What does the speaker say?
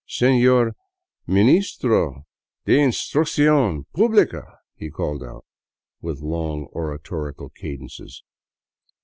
" Seiior Ministro de Instruccion PubHca !" he called out, with long, oratorical cadences.